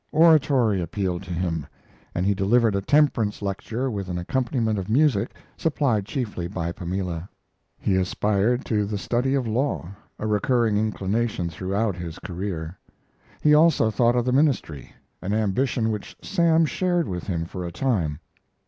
Oratory appealed to him, and he delivered a temperance lecture with an accompaniment of music, supplied chiefly by Pamela. He aspired to the study of law, a recurring inclination throughout his career. He also thought of the ministry, an ambition which Sam shared with him for a time.